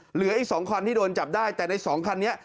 เหลืออีก๒คันที่โดนจับได้แต่ใน๒คันนี้